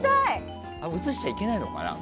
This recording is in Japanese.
映しちゃいけないのかな。